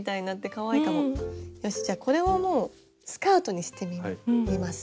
よしじゃこれをスカートにしてみます。